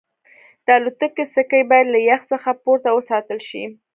د الوتکې سکي باید له یخ څخه پورته وساتل شي